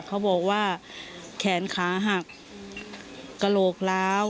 เขาบอกว่าแขนขาหักกระโหลกล้าว